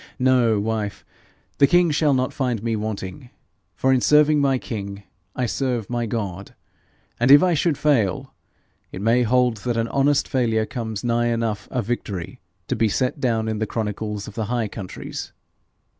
No, wife; the king shall not find me wanting, for in serving my king, I serve my God; and if I should fail, it may hold that an honest failure comes nigh enough a victory to be set down in the chronicles of the high countries.